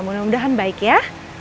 mudah mudahan baik ya